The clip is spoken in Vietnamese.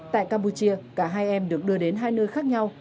tại campuchia cả hai em được đưa đến hai nơi khác nhau